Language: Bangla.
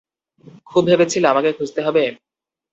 তুমি ভেবেছিলে আমাকে খুঁজতে হবে?